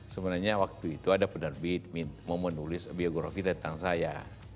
sebenarnya waktu itu ada penerbit mau menulis biografi tentang saya